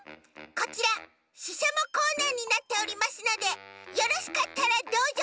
こちらししゃもコーナーになっておりますのでよろしかったらどうぞ。